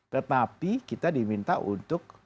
tetapi kita diminta untuk